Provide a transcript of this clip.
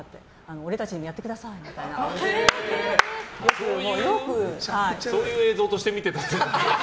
俺たちにもやってくださいそういう映像として見てたんだ。